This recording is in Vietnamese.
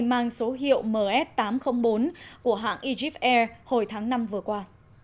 mang số hiệu ms tám trăm linh bốn của hãng ejef air hồi tháng năm vừa qua